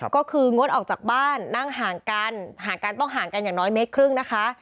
ก็คืองดออกจากบ้านนั่งห่างกันห่างกันต้องห่างกันอย่างน้อยเมตรครึ่งนะคะ